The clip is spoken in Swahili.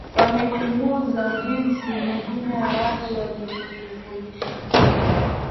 Wamechunguza jinsi majina ya watu yalivyowashughulisha